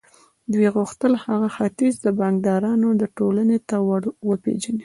دوی غوښتل هغه د ختیځ د بانکدارانو ټولنې ته ور وپېژني